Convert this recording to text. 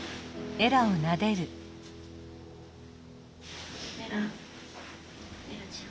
エラちゃん。